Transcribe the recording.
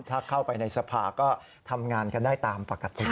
ถ้าเข้าไปในสภาก็ทำงานกันได้ตามปกติ